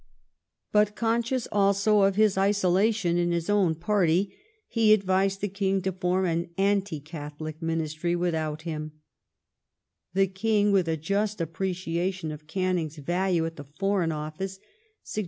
But conscious also of his isolation in his own party, he advised the King to form an Anti Catholic Ministry without him.'' The King, with a just appreciation of Canning's value at the Foreign Office, suggested ^ Lord Liverpool died December 4th, 1828.